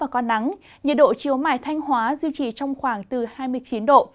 có nắng nhiệt độ chiều mai thanh hóa duy trì trong khoảng từ hai mươi chín độ